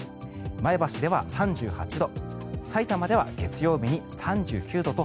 前橋では３８度さいたまでは月曜日に３９度と